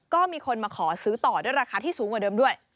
ก็มีคนมาขอซื้อต่อด้วยราคาที่สูงกว่าเดิมด้วย